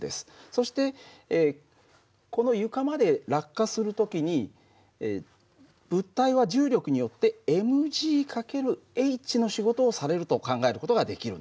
そしてこの床まで落下する時に物体は重力によってｍ×ｈの仕事をされると考える事ができるんだ。